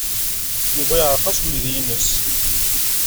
Yuba yeɛreq-as weydi-nnes.